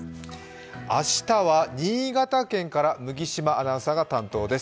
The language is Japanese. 明日は新潟県から麦島アナウンサーが担当です。